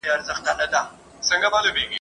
نه له ویري سوای له غاره راوتلای ..